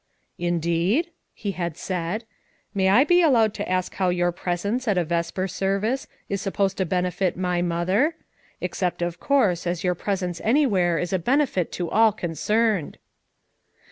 "Indeed?" he had said. "May I be allowed to ask how your presence at a vesper service is supposed to benefit my mother? Except of course as your presence anywhere is a benefit to all concerned."